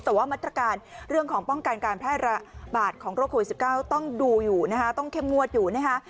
แต่ว่ามัตรการเรื่องของป้องกันการแพร่ระบาดของโรคโควิด๑๙ต้องดูอยู่นะฮะ